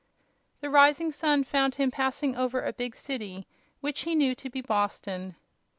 The rising sun found him passing over a big city, which he knew to be Boston.